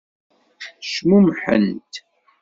Cmumḥent.